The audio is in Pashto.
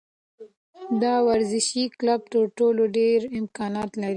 دا ورزشي کلب تر ټولو ډېر امکانات لري.